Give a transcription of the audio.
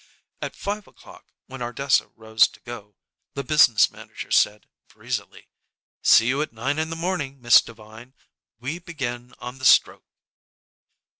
At five o'clock, when Ardessa rose to go, the business manager said breezily: "See you at nine in the morning, Miss Devine. We begin on the stroke."